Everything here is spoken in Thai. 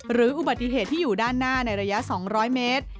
หรืออุบัติเหตุที่อยู่ด้านหน้าในระยะ๒๐๐เมตร